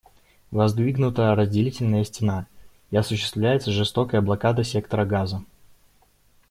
Воздвигнута разделительная стена, и осуществляется жестокая блокада сектора Газа.